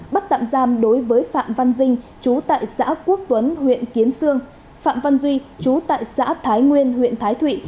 bắt tạm giam đối với phạm văn dinh chú tại xã quốc tuấn huyện kiến sương phạm văn duy chú tại xã thái nguyên huyện thái thụy